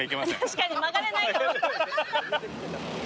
確かに曲がれないかも。